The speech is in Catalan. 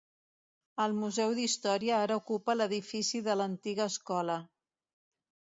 El museu d'història ara ocupa l'edifici de la antiga escola.